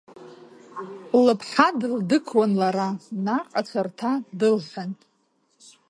Лыԥҳа дылдықуан лара, Наҟ ацәарҭа дылҳәан.